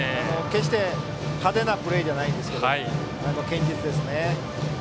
決して派手なプレーじゃないですが堅実ですね。